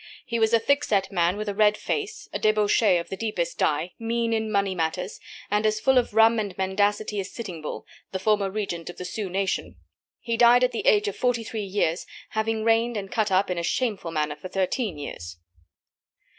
He was a thick set man with a red face, a debauchee of the deepest dye, mean in money matters, and as full of rum and mendacity as Sitting Bull, the former Regent of the Sioux Nation. He died at the age of forty three years, having reigned and cut up in a shameful manner for thirteen years.